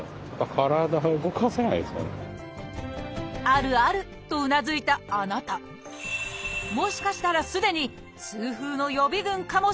「あるある！」とうなずいたあなたもしかしたらすでに痛風の予備群かもしれません。